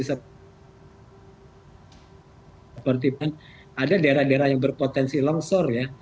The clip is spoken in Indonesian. seperti ada daerah daerah yang berpotensi longsor ya